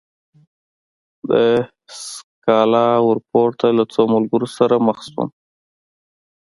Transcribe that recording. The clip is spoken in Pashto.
له سکالا ورپورته له څو ملګرو سره مخ شوم.